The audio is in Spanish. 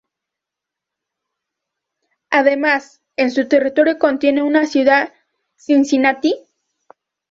Además, en su territorio contiene una ciudad, Cincinnati.